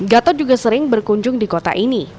gatot juga sering berkunjung di kota ini